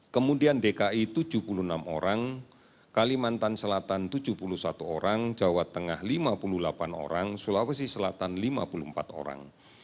kemudian dki tujuh puluh enam orang kalimantan selatan tujuh puluh satu orang jawa tengah lima puluh delapan orang sulawesi selatan lima puluh empat orang